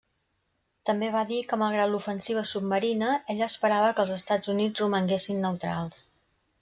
També va dir que malgrat l'ofensiva submarina, ell esperava que els Estats Units romanguessin neutrals.